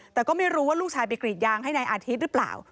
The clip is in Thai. แต่ก็ไม่รู้ว่าลูกชายไปกรีดยางให้นายอาทิตย์หรือเปล่า